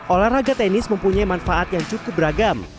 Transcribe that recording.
olahraga tenis mempunyai manfaat yang cukup beragam